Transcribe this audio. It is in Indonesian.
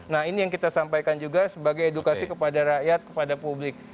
nah ini yang kita sampaikan juga sebagai edukasi kepada rakyat kepada publik